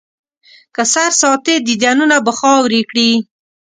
که سر ساتې، دیدنونه به خاورې کړي.